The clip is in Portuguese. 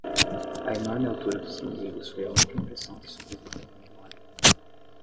A enorme altura dos inimigos foi a única impressão que sobreviveu na memória.